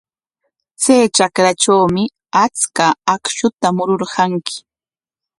Chay trakratrawmi achka akshuta mururqanki.